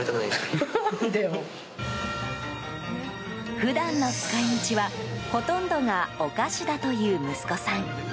普段の使い道は、ほとんどがお菓子だという息子さん。